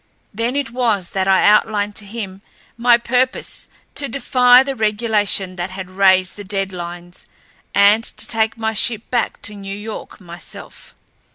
Then it was that I outlined to him my purpose to defy the regulation that had raised the dead lines, and to take my ship back to New York myself.